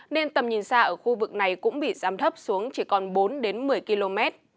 nên tầm nhìn xa ở khu vực này cũng bị giảm thấp xuống chỉ còn bốn đến một mươi km